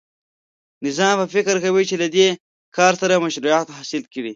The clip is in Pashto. نظام به فکر کوي چې له دې کار سره مشروعیت حاصل کړي.